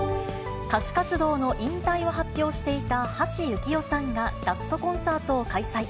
歌手活動の引退を発表していた橋幸夫さんがラストコンサートを開催。